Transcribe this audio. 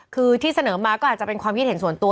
คือที่เสนอมาก็อาจจะเป็นความคิดเห็นส่วนตัว